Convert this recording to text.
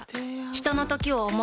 ひとのときを、想う。